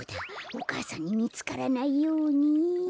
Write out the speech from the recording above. お母さんにみつからないように。